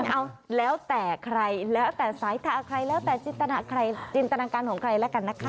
เอาแล้วแต่ใครแล้วแต่สายตาใครแล้วแต่จินตนาใครจินตนาการของใครแล้วกันนะคะ